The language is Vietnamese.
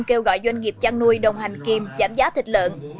kêu gọi doanh nghiệp chăn nuôi đồng hành kiêm giảm giá thịt lợn